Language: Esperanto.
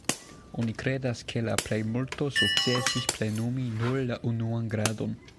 Oni kredas, ke la plejmulto sukcesis plenumi nur la "unuan gradon".